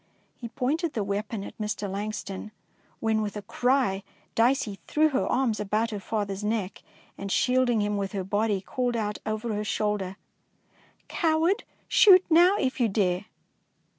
He pointed the weapon at Mr. Lang ston, when with a cry Dicey threw her arms about her father's neck, and, shielding him with her body, called out over her shoulder, —" Coward, shoot now if you dare